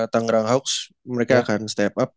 tanggerang hawks mereka akan step up